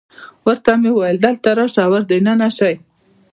ورته مې وویل: دلته راشئ، ور دننه شئ.